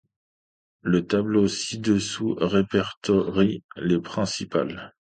Le tableau ci-dessous répertorie les principales.